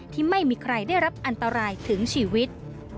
ที่ไม่มีใครได้รับอันตรายถึงชีวิต